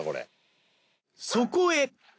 そこへ。